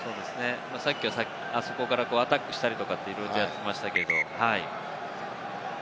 さっきは、あそこからアタックしたりとかいろいろやっていましたけれども。